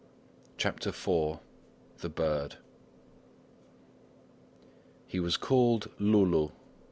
CHAPTER IV THE BIRD He was called Loulou.